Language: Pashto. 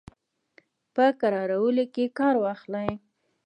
په کرارولو کې کار واخلي.